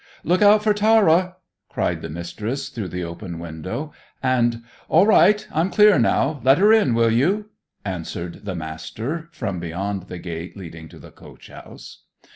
"Look out for Tara!" cried the Mistress through the open window. And: "All right! I'm clear now. Let her in, will you?" answered the Master, from beyond the gate leading to the coach house.